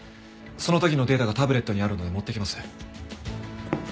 その時のデータがタブレットにあるので持ってきます。